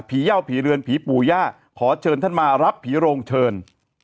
เย่าผีเรือนผีปู่ย่าขอเชิญท่านมารับผีโรงเชิญ